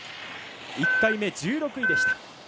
１回目１６位でした。